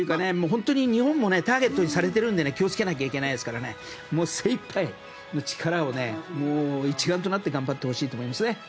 本当に日本もターゲットにされてるので気をつけないといけないですからね精いっぱい、力を一丸となって頑張ってほしいと思いますね。